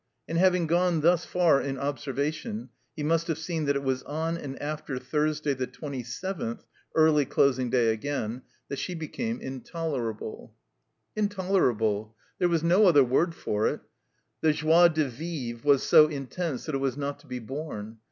And having gone thus far in ob servation, he must have seen that it was on and after Thursday, the twenty seventh (early dosing day again) that she became intolerable. 200 THE COMBINED MAZE Intolerable. There was no other word for it. The '*joie de veeve'' was so intense that it was not to be borne.